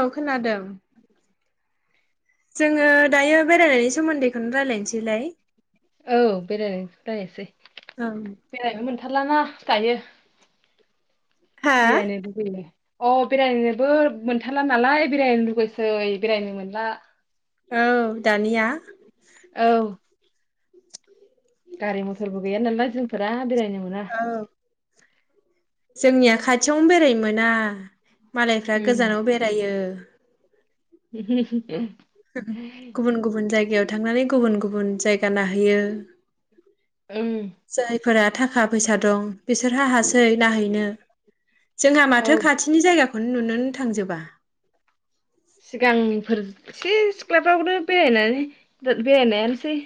औ खोनादों जोङो दायो बेरायनायनि सोमोन्दैखौनो रायजलायनोसैलाय औ बेराय रायज्लायनोसै ओं मोनथारलाना दायो हा बेरायनो लुगैयो अ बेरायनोबो मोनथारला नालाय बेरायनो लुगैसै बेरायनो मोनला औ दानिया औ गारि मथर बो गैया नालाय जोंफोरा बेराय औ जोंनिया खाथियावनो बेराय मोना मालायफ्रा गोजानाव बेरायो [inaudible] गुबुन गुबुन जायगायाव थांनानै गुबुन गुबुन जायगा नायहैयो उम फोरा थां थाखा फैसा दं बिसोरहा हा सै नाहैनो जोंहा औ माथो खाथिनि जायगा खौनो नुनोनो थांजोबा सिगांनिफोर एसे सिख्लाफ्रावनो बेरायनानै बेरायनायानोसै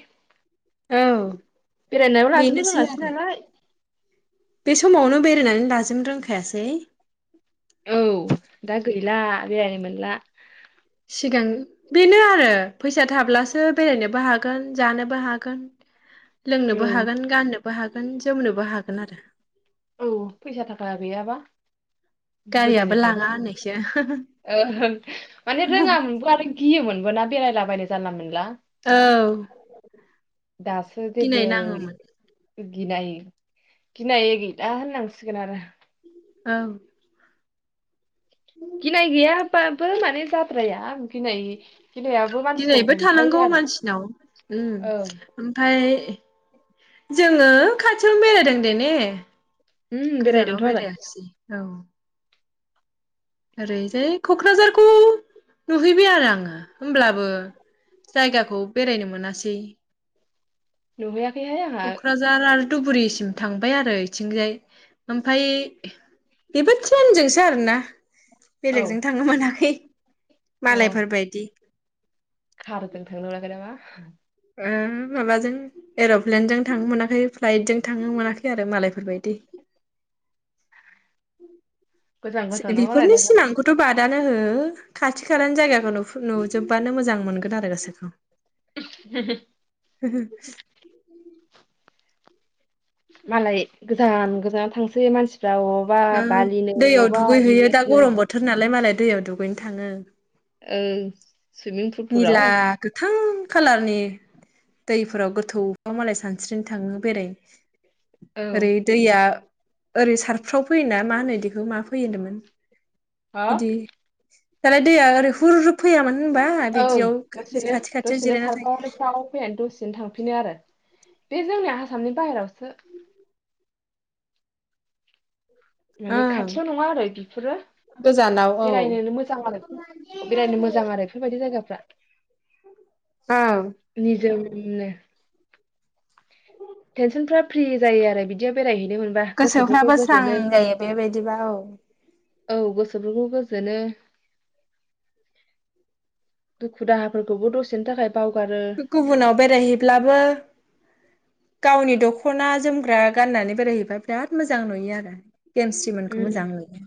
औ बेरायनायाव लाजेनबो बेनोसै रोङासै आरो नालाय बे समावनो बेरायनानै लाजोबनो रोंखायासै औ दा गैला बेरायनो मोनला सिगां बेनो आरो फैसा थाब्लासो बेरायनोबो हागोन जानोबो हागोन औ लोंनोबो हागोन गाननोबो बो हागोन जोमनोबो हागोन आरो औ फैसा थाखा गैयाबा गारियाबो लाङा गोदोनिफ्रायनो होननायसो ओं माने रोङामोनबो आरो गियोमोनबो बोना बेरायलाबायनो जानला मोनला औ दासो जेबो गिनाय नाङोमोन गिनाय गिनाय गि दा होननांसिगोन आरो औं। गिनाय गैयाबाबो फोर माने जाद्राया गिनाय गिनायाबो मानसिखौ दिनैबो थानांगौ हमथायो आरो मानसिनाव ओम औ ओमफ्राय जोङो खाथियावनो बेरायदों दे ने? उम बेरायदों गोजानाव थ' आरो। बेरायासै औ। ओरैजाय क'क्राझारखौ नुहैबाय आरो आङो होमब्लाबो जायगाखौ बेरायनो मोनासै नुबाय आं। क'क्राझार आरो धुबुरिसिम थांबाय आरो बिथिंजाय ओमफ्राय बेबो ट्ररेनजोंसो आरोना औ बेलेगजजों थांनो मोनाखै। मालायफोर बायदि खार थांनोमोनाखै नामा? ओम माबाजों एर'प्लेनजों थांनो मोनाखै फ्लाइजों थांनो मोनाखै आरो मालायफोर बायदि। गोजान गोजानाव मालाय बेफोरनि दाना सिमांखौथ' बादानो हो खाथि खालानि जायगाखौनो नु नुजोब बानो मोजां मोनगोन आरो गोसोखौ। मालाय गोजान गोजान थांसै मानसि ओ दैयाव इउ दुगैहैयो एस दा नो गरम बोथोर नालाय मालाय दैयाव दुगैनो थाङो। ओं। सुइमिं पुलफोराव निला गोथां खालारनि दैफोराव गोथां मालाय सानस्रिनो थाङो बेराय औ रै दैया ओरै सारफ्राव फैयोना मा होनो बेखौ मा फै होनदोंमोन हा बिदि दालाय दैया ओरै हुर हुर फैयामोन होनबा? औ बिदियाव दसेनो खाथि खाथियाव दसेनो जिरायना थायो सारफावनोफ्राव फैनानै दसेनो थांफिनो आरो बे जोंनि आसामनि बाहेरायावसो। माने ओं खाथियाव नङा आरो बेफोरो गोजानाव औ बेरायनोनो मोजां आरो बेरायनो मोजां आरो बेफोरबायदि जायगा [unintelligible] ओं नो टेनसन फ्रा फ्रि जायो आरो बिदिया बेरायहै गोसोफ्राबो स्रां जायो दे बेदिबा औ औ गोसोफोरखौ गोजोनो दुखु दाहाफोरखौबो दसेनो थाखाय बावगारो गुबुनाव बेरायहैब्लाबो गावनि दख'ना जोमग्रा गाननानै बेरायहैबो बिराद मोजां नुयो आरो गेमस्रिमोनखौ उम मोजां नुयो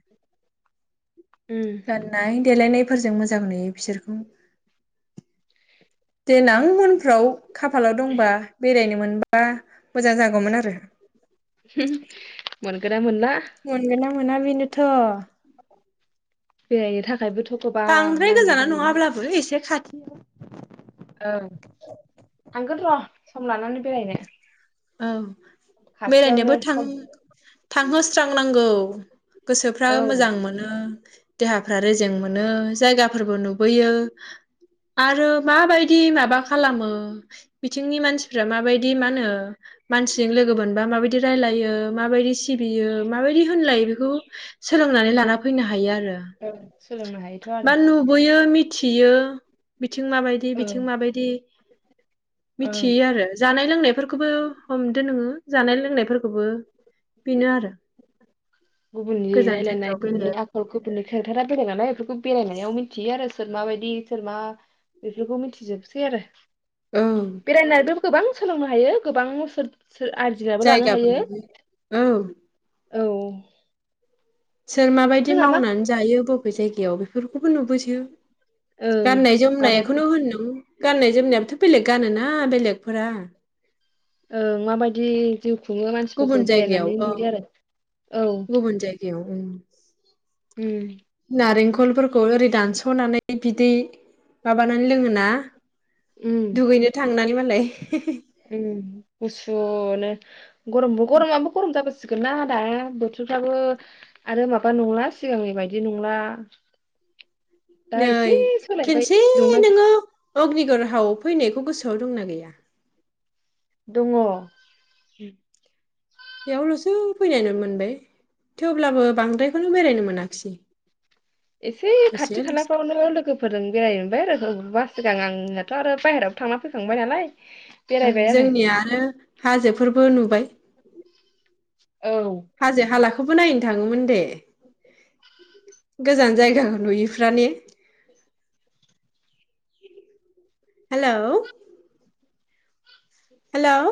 उम गाननाय देलायनाय फोरजों मोजां नुयो बिसोरखौ। देनां उन फ्राव खाफालाव दंबा बेरायनो मोनबा मोजां जागौमोन आरो मोनगोन ना मोनला मोनगोना मोना बेनोथ' बेरायनो थाखायबो बांद्राय गोजाना नङाब्लाबो एसे खा ओं थांगोन र' सम लानानै बेरायनो। औ बेरायनोबो खाथियावनो थां सम थांहोस्रांनांगौ गोसोफ्रा औ मोजां मोनो देहा फ्रा रेजें मोनो जायगाफोरबो नुबोयो आरो माबायदि माबा खालामो बिथिंनि मानसिफ्रा माबायदि मा होनो मानसिजों लोगो मोनबा माबायदि रायलायो माबायदि सिबियो माबायदि होनलायो बेखौ सोलोंनानै लाना फैनो हायो आरो। ओं सोलोंनो हायोथ' आरो बा नुबोयो मिथियो बिथिं माबायदि ओं बिथिं माबायदि ओं मिथियो आरो जानाय लोंनायफोरखौबो नोङो जानाय लोंनायफोरखौबो बेनो आरो गुबुननि गोजान रायलायनाय जायगायाव गुबुननि बेलेग आखल गुबुननि केरेक्टारा बेलेग नालाय बेफोरखौ बेरायनायाव मिन्थियो आरो सोर मााबायदि सोर मा बेफोरखौ मिथिजोबसै आरो ओं बेरायनानैबो गोबां सोलोंनो हायो गोबां सोर आरजिनाबो लानो जायगाफोर हायो नोबो औ औ सोर माबायदि जोंहा मा मावनानै जायो बबे जायगा बियाव बेफोरखौबो नुबोसो ओं गाननाय माबायदि जोमनायखौनो होनदो गाननाय जोमनायाबथ' बेलेग गानोना बेलेगफोरा ओं माबायदि जिउ खुङो मानसिफोरखौ गुबुन जायगायाव बेरायनानै नुयो आरो औ याद ओं उम नारेंखलफोरखौ ओरै दानस'नानै बिदै माबानानै लोङोोना? दुगैनो थांनानै म ाल [inaudible] उ गुसुनो गरम गरम आबो गरमा सिगोन ना आ दा बोथोरफ्राबो आरो माबा नंला सिगांनि बायदि नंला दा नै एसे सोलायबाय खनसे दुंनायफोर नोङो अग्निगरहावआव फैनायखौ गोसोआव दंना गैया? दङ [unintelligible] बेयावल'सो फैनाय मोनबाय थेवब्लाबो बांद्रायखौनो बेरायनो मोनाखिसै एसे खाथि दसेल'सै खालाफ्रावनो लोगोफोरजों बेराय मोनबाय आरो बास सिगां आंनाथ' आरो बाहहेरायाव थांना फैखांबाय नालाय औ जोंनिया आरो हाजोफोरबो नुबाय हाजो हालाखौबो नायनो थाङोमोन दे गोजान जायगाखौ नुयिफ्रानो? हेल' [unintelligible] हेल'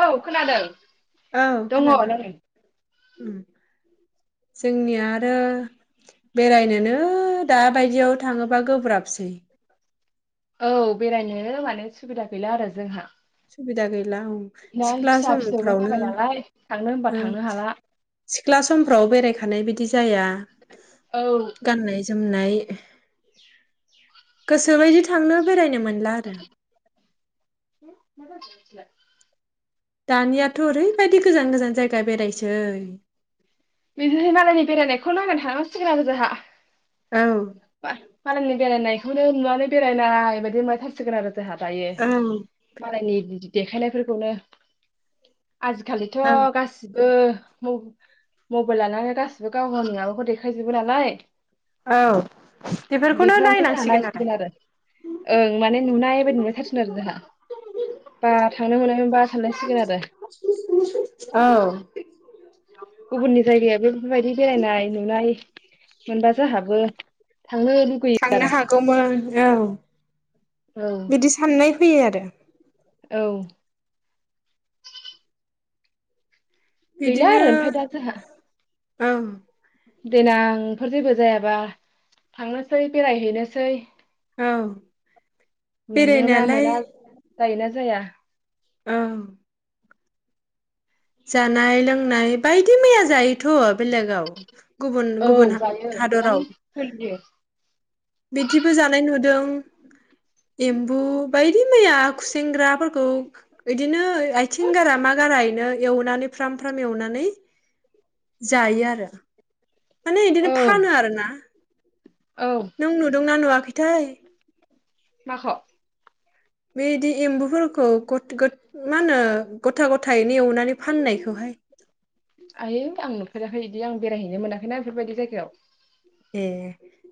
औ खोनादों औ दङ खोनादों नै जोंनिया आरो बेरायनोनो दाबायदियाव थाङोबा गोब्राबसै औ बेरायनो माने सुबिदा गैला आरो जोंहा सुबिदा ग दा सिख्ला फिसा फिसौबो जाबाय नालाय थांनो होनबा समफ्रावनो थांनो हाला सिख्ला समफ्राव बेरायखानाय बिदि जाया गाननाय [unintelligible] जोमनाय गोसोबायदि थांनो बेरायनो मोन आरो [inaudible] दानियाथ' ओरैबायदि गोजान गोजान जायगा बेरायसै बिदिनो मालायनि बेरायनायखौ नायनानै थानांसिगोन आरो जोंहा औ बा मालायनि बेरायनायखौनो नुनानै बेरायनाय बायदि नबायथारसिगोन आरो जोंहा दायो औ मालायनि बि देखायनायफोरखौनो आजिखालिथ' औ गासिब बो म-मबाइल लानानै गासिबो गाव गावनि माबाखौ देखायजोबो नालाय औ‌ बेफोरावनो जाहा नायसिगोन आरो ओं माने नुनायबायदि नुलायथारसि गोन आरो जोहा। बा थांनो मोनाय मोबा सानलायसिगोन आरो औ गुबुननि जायगाया बे फोरबायदि बेरायनाय नुनाय मोनबा जोहाबो थांनो हागौमोन औ औ बिदि साननाय फैयो आरो औ गैला आरो ओमफाय दा जोहा ओम देनांफोर जेबो जायाबा थांनोसै बेरायहैनोसै। औ। मानो ना बेरायनायालाय मोना जायोना जाया औ जानाय लोंनाय बायदि मैया जायोथ' बेलेगाव गुबुन औ गुबुन जायो गोबां हा-हादराव सोलियो बिदिबो जानाय नुदों एम्बु बायदि मैया खुसेंग्राफोरखौ इदिनो आयथिं गारा मा गारायैनो एवनानै फ्राम फ्राम एवनानै जायो आरो माने इदिनो औ फानो आरो ना औ नों नुदोंना नुवा बिथाइ माख'? बेदि एम्बुफोरखौ गथ गोद गथ गथ मा होनो गथा गथायैनो एवनानै फाननायखौहाय आयै आं नुफेराखै इदि आं बेरायहैनो मोनाखैना बेफोरबायदि जायगायाव। ए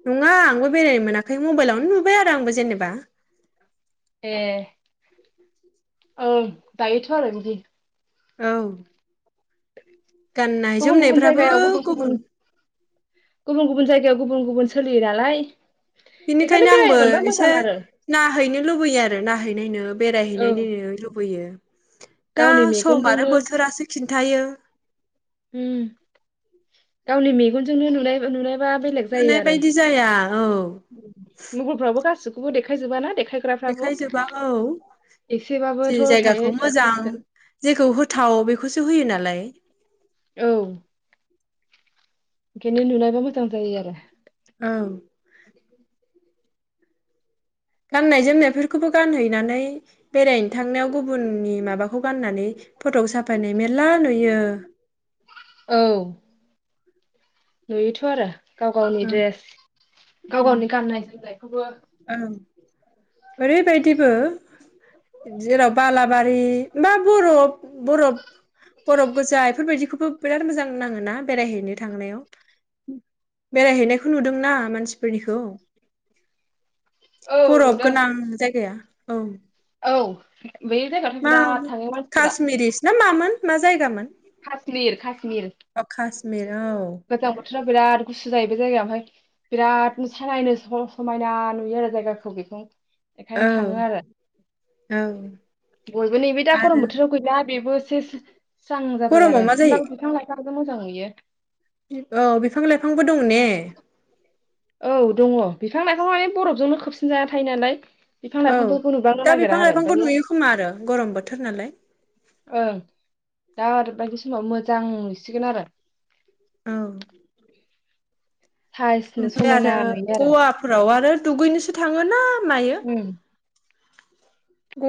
नङा आंबो बेरायनो मोनाखै मबाइलावनो नुबाय आरो आंबो जेनेबा। ए ओं जायोथ' आरो बिदि। औ गाननाय गुबुन गुबुन जोमनायफ्राबो जायगायाव गुबुन बुन जायगायाव गुबुन गुबुन सोलियो नालाय बेखायनो बिनिखायनो बेरायनो आंबो मोनबा मोजां एसे आरो नाहैनो लुबैयो आरो नायहै नायनो औ बेरायहैनाय नो ङो लुबैयो दा गावनि सम आरो मेगनजोंनो बोथोरासो खिन्थ थायो उम गावनि मेगनजोंनो नुनाय ओ नुनाय नुनाय बायदि जाया औ बोे देखाय जोबा ना देख देखायजोबा औ जि एसेबाबोथ' थायो जायगाखौ मोजां थाखासिगोन जेखौ होथाव बेखौसो होयो नालाय औ खेनि नुनायबा मोजां जायो आरो। औ गाननाय जोमनायफोरखौबो गानहैनानै बेरायनो थांनायाव गुबुननि माबाखौ गाननानै फट' साफायनाय मेर्ला नुयो। औ नुयो थ'आरो। गाव गावनि ओं ड्रेस गाव गावनि गाननाय जोमनायखौबो औ ओरै बायदि बायदिबो जेराव बालाबारि बा बरफ बरफ बरफ गोजा बेफोरबायदिखौबो बिराद मोजां नाङो ना बेरायहैनो थांनायाव बेरायहैनायखौ नुदोंना मानसिफोरनिखौ। औ बरफ नुदों गोनां जायगाया औ औ बे जायगायावथ' मा बिराद थाङो मानसिफोरा काश्मिरिसो ना मामोन मा जायगामोन काश्मिर काश्मिर अ खासमि औ राव बिराद गुसु जायो बे जायगायाव ओमफ्राय बिराद सालायनो समायना नुयो आरो जायगाखौ बेखौ औ बेखायनो थाङो आरो औ बयबो नैबे दा आरो गरम बोथोराव गैला बेबो सेस स्रां जाबाय गरमाव आरो मा जायो ओमबाबो बिफां लाइफां कत' मोजां नुयो औ बिफां लाइफांबो दं ने? औ दङ बिफां लाइफां माने बरफजोंनो खोबसिन जाना थायो नालाय। बिफां औ लाइफांफोरखौ नुबांनो दा नागिरा बिफां आरो लाइफांखौ ओमफ्रायो नुयो खोमा आरो गरम बोथोर नालाय। ओं दा आरो बायदि समाव मोजां नुसिगोन आरो। औ साइसनो ओमफ्राय समायना आरो नुयो आरो गवाफोराव आरो दुगैनोसो थाङोना उम